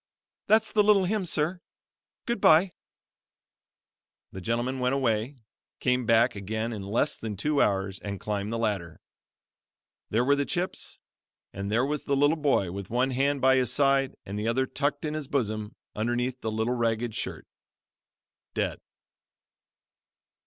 "That's the little hymn, sir; Goodbye." The gentleman went away, came back again in less than two hours and climbed the ladder. There were the chips and there was the little toy with one hand by his side and the other tucked in his bosom underneath the little ragged shirt dead.